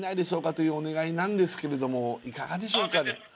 というお願いなんですけれどもいかがでしょうかね？